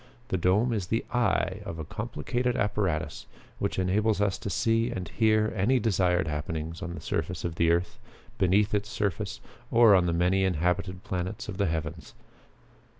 The dome is the 'eye' of a complicated apparatus which enables us to see and hear any desired happening on the surface of the earth, beneath its surface, or on the many inhabited planets of the heavens.